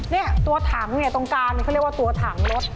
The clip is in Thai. คืออะไรไม่ทราบครับตัวถังตรงกลางมันก็เรียกว่าตัวถังรถ